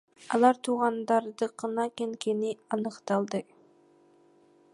Алар туугандарыныкына кеткени аныкталды.